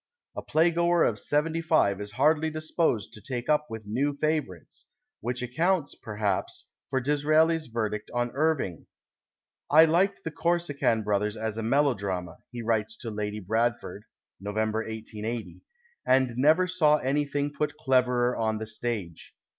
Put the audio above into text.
A playgoer of seventy five is hardly disposed to take up with new favourites — which accounts, perhaps, for Dis raeli's verdict on Irving. " I liked the Corsican Brothers as a melodrama," he writes to Lady Brad ford (November, 1880), " and never saw anything put cleverer on the stage.